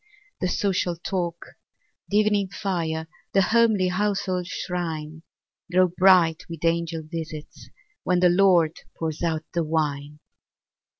The social talk, the evening fire, The homely household shrine, Grow bright with angel visits, when The Lord pours out the wine.